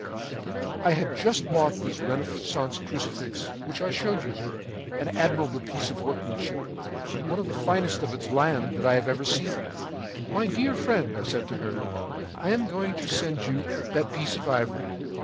“I had just bought this Renaissance Crucifix which I showed you, an admirable piece of workmanship, one of the finest of its land that I have ever seen. “'My dear friend,' I said to her, 'I am going to send you that piece of ivory.